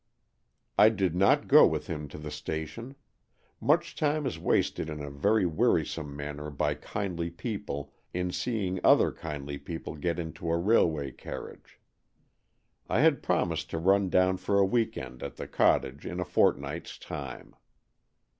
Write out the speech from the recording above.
I did not go with him to the station. Much time is wasted in a very wearisome manner by kindly people in seeing other kindly people get into a railway carriage. I had promised to run down for a week end at the cottage in a fortnight's time.